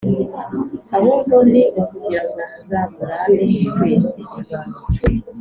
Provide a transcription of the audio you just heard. Ahubwo ni ukugirango tuzamurane twese